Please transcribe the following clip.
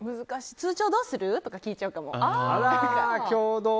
通帳、どうする？とか聞いちゃうかも。